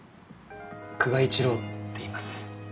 久我一郎っていいます。